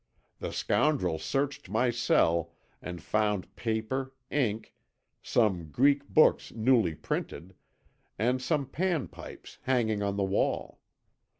The scoundrel searched my cell and found paper, ink, some Greek books newly printed, and some Pan pipes hanging on the wall.